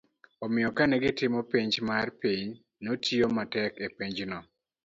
omiyo kane gitimo penj mar piny, notiyo matek e penjno